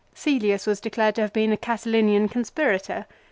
Cselius was declared to have been a Catilinian conspirator.